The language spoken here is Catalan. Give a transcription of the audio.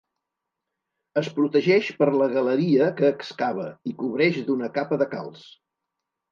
Es protegeix per la galeria que excava i cobreix d'una capa de calç.